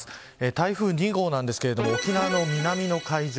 台風２号なんですけど沖縄の南の海上